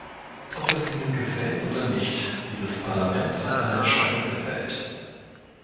Ob es Ihnen gefällt oder nicht, dieses Parlament hat eine Entscheidung gefällt.